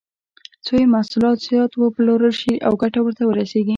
څو یې محصولات زیات وپلورل شي او ګټه ورته ورسېږي.